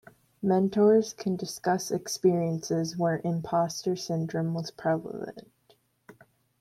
Mentors can discuss experiences where impostor syndrome was prevalent.